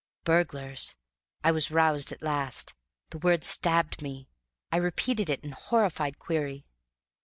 Burglars! I was roused at last. The word stabbed me. I repeated it in horrified query.